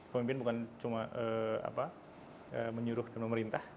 pemimpin bukan cuma menyuruh dan memerintah